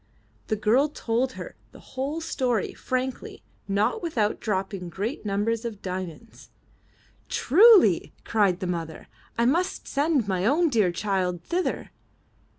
The girl told her the whole story frankly, not with out dropping great numbers of diamonds. 324 UP ONE PAIR OF STAIRS ''Truly/' cried the mother, ''I must send my own dear child thither.